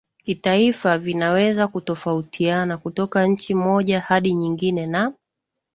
kitaifa vinaweza kutofautiana kutoka nchi moja hadi nyingine na